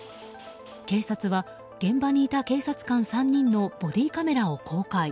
警察は、現場にいた警察官３人のボディーカメラを公開。